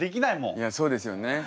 いやそうですよね。